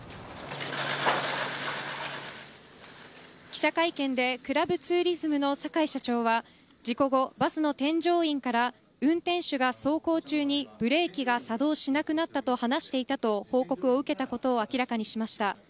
記者会見でクラブツーリズムの酒井社長は事故後、バスの添乗員から運転手が走行中にブレーキが作動しなくなったと話していたと報告を受けたことを明らかにしました。